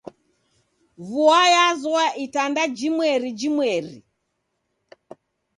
Vua yazoya itanda jimweri jimweri.